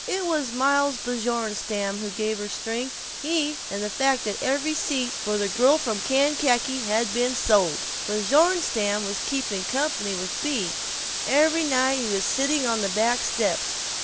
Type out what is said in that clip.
It was Miles Bjornstam who gave her strength he and the fact that every seat for "The Girl from Kankakee" had been sold. Bjornstam was "keeping company" with Bea. Every night he was sitting on the back steps.